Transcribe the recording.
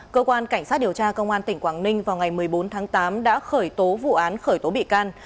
cơ quan cảnh sát điều tra công an tỉnh quảng ninh vào ngày một mươi bốn tháng tám đã khởi tố vụ án khởi tố bị can